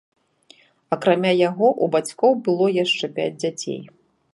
Акрамя яго, у бацькоў было яшчэ пяць дзяцей.